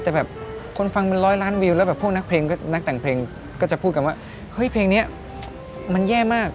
แต่แบบคนฟังเป็นร้อยล้านวิวแล้วแบบพวกนักเพลงก็นักแต่งเพลงก็จะพูดกันว่าเฮ้ยเพลงนี้มันแย่มาก